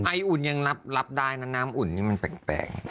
อุ่นยังรับได้นะน้ำอุ่นนี่มันแปลก